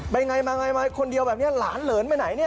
เป็นอย่างไรคนเดียวแบบนี้หลานเหลินไปไหนนี่